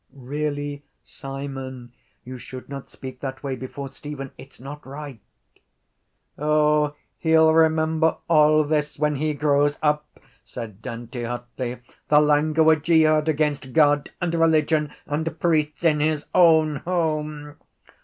—Really, Simon, you should not speak that way before Stephen. It’s not right. —O, he’ll remember all this when he grows up, said Dante hotly—the language he heard against God and religion and priests in his own home.